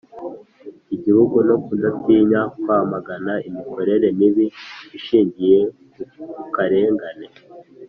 igihugu no kudatinya kwamagana imikorere mibi ishingiye ku karengane